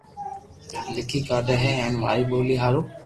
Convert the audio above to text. لکي ڪاڌيا ھي ھين ماري ڀولي ھارو